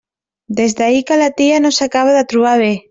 Des d'ahir que la tia no s'acaba de trobar bé.